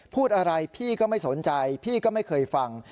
พูดอะไรพี่ก็ไม่สนใจพี่ก็ไม่เคยฟัง